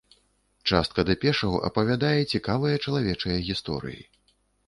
Частка дэпешаў апавядае цікавыя чалавечыя гісторыі.